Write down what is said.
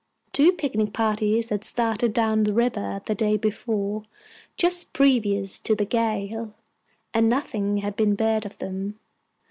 Two picnic parties had started down river the day before, just previous to the gale, and nothing had been beard of them.